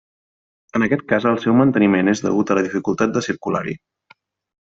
En aquest cas el seu manteniment és degut a la dificultat de circular-hi.